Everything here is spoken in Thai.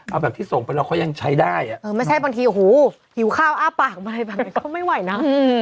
เอาแบบที่ส่งไปเราก็ยังใช้ได้ไม่ใช่บางทีหิวข้าวอ้าปากบางอย่างก็ไม่ไหวนะ